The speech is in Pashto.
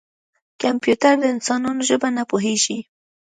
کمپیوټر د انسانانو ژبه نه پوهېږي.